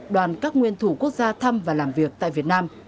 đoàn các nguyên thủ quốc gia thăm và làm việc tại việt nam